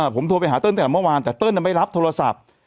ผมโทรไปหาต้นแต่เมื่อวานแต่ต้นไม่รับโทรศัพท์